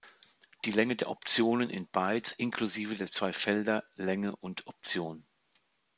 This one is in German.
Die Länge der Optionen in Bytes inklusive der zwei Felder "Länge" und "Option".